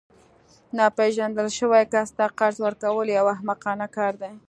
ناپیژندل شوي کس ته قرض ورکول یو احمقانه کار دی